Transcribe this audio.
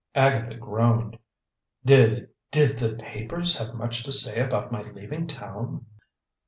Agatha groaned. "Did did the papers have much to say about my leaving town?"